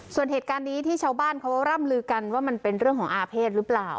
ส่วนเหตุการณ์นี้ที่ชาวบ้านเขาร่ำลือกันว่ามันเป็นเรื่องของอาเภษหรือเปล่า